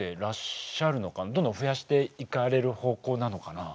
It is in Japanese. どんどん増やしていかれる方向なのかな？